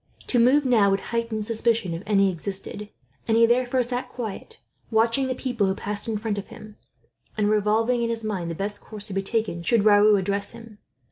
To move now would heighten suspicion, if any existed; and he therefore sat quiet, watching the people who passed in front of him, and revolving in his mind the best course to be taken, should Raoul address him.